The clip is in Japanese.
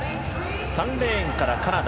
３レーンからカナダ。